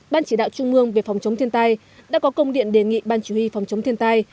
ban chỉ đạo trung mương về phòng chống thiên tai đã có công điện đề nghị ban chủ huy phòng chống thiên tai